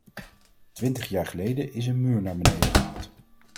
Twintig jaar geleden is een muur naar beneden gehaald.